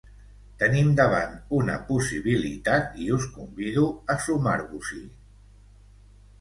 Tenim davant una possibilitat i us convido a sumar-vos-hi.